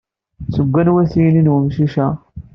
Seg anwa-t yini n wemcic-a?